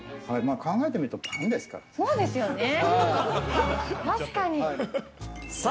考えてみるとパンですから。